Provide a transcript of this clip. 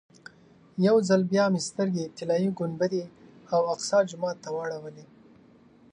یو ځل بیا مې سترګې طلایي ګنبدې او اقصی جومات ته واړولې.